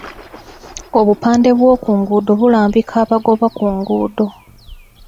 Obupande bw'oku nguudo bulambika abagoba ku nguudo.